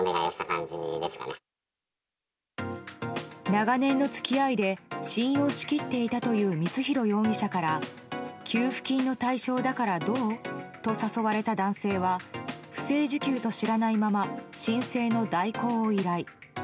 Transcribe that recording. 長年の付き合いで信用しきっていたという光弘容疑者から給付金の対象だからどう？と誘われた男性は不正受給と知らないまま申請の代行を依頼。